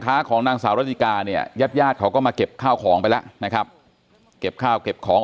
ช่วงนั้นมันก็จะมีกลางวันสะหรับ